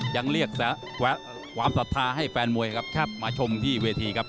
ยังเรียกความศรัทธาให้แฟนมวยครับมาชมที่เวทีครับ